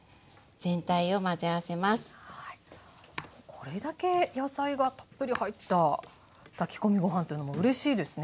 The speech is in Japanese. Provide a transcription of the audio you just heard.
これだけ野菜がたっぷり入った炊き込みご飯っていうのもうれしいですね。